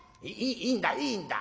いいんだいいんだ